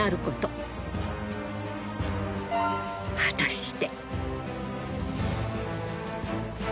果たして。